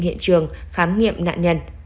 hiện trường khám nghiệm nạn nhân